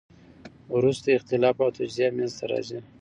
وروسته اختلاف او تجزیه منځ ته راځي.